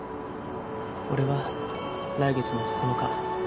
俺は来月の９日。